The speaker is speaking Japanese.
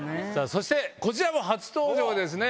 そしてこちらも初登場ですね